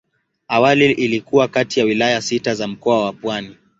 Awali ilikuwa kati ya wilaya sita za Mkoa wa Pwani.